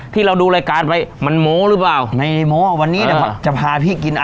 พี่ก็เลยอยากมาลองว่านี่